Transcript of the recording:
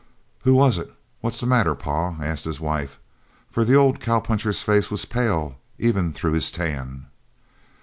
"Who was it? What's the matter, pa?" asked his wife, for the old cowpuncher's face was pale even through his tan.